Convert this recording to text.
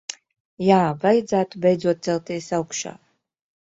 Jā, vajadzētu beidzot celties augšā.